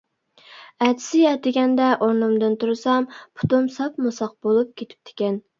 ئەتىسى ئەتىگەندە ئورنۇمدىن تۇرسام پۇتۇم ساپمۇ ساق بولۇپ كېتىپتىكەن.